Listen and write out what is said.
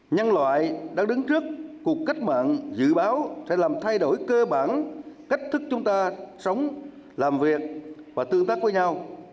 nhân loại đang đứng trước cuộc cách mạng dự báo sẽ làm thay đổi cơ bản cách thức chúng ta sống làm việc và tương tác với nhau